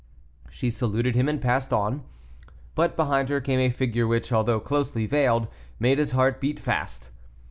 She saluted him and passed on, but behind her came a figure which, although closely veiled, made his heart beat fast.